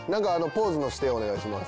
ポーズの指定お願いします。